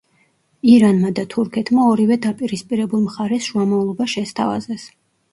ირანმა და თურქეთმა ორივე დაპირისპირებულ მხარეს შუამავლობა შესთავაზეს.